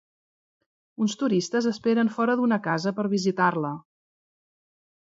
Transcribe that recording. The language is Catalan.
Uns turistes esperen fora d'una casa per visitar-la.